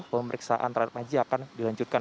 pemeriksaan terhadap maji akan dilanjutkan